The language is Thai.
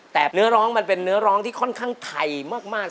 แต่เนื้อร้องมันเป็นเนื้อร้องที่ค่อนข้างไทยมาก